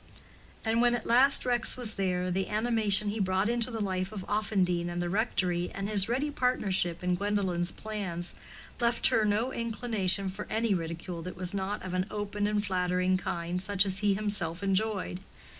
And when at last Rex was there, the animation he brought into the life of Offendene and the rectory, and his ready partnership in Gwendolen's plans, left her no inclination for any ridicule that was not of an open and flattering kind, such as he himself enjoyed.